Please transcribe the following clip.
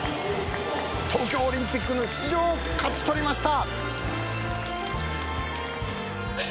東京オリンピックの出場を勝ち取りました！